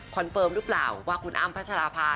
คอนเฟิร์มรึเปล่าว่าคุณอ้ำพระชรภา